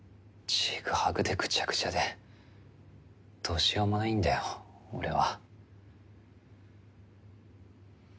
ちぐはぐでぐちゃぐちゃでどうしようもないんだよ俺は。